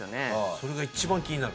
それが一番気になる。